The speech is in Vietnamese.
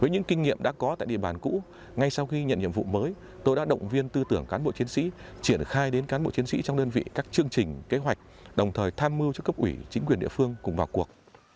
với những kinh nghiệm đã có tại địa bàn cũ ngay sau khi nhận nhiệm vụ mới tôi đã động viên tư tưởng cán bộ chiến sĩ triển khai đến cán bộ chiến sĩ trong đơn vị các chương trình kế hoạch đồng thời tham mưu cho cấp ủy chính quyền địa phương cùng vào cuộc